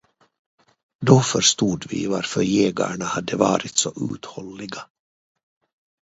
Då förstod vi varför jägarna hade varit så uthålliga.